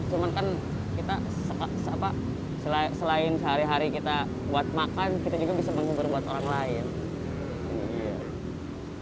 cuman kan kita selain sehari hari kita buat makan kita juga bisa mengubur buat orang lain